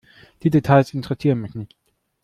Die Details interessieren mich nicht.